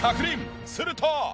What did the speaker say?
すると。